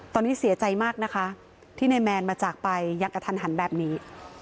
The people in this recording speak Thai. ตอนนี้เสียใจมากนะคะที่นายแมนมาจากไปอย่างกระทันหันแบบนี้